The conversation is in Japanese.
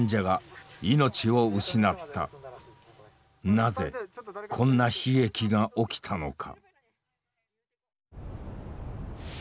なぜこんな悲劇が起きたのか。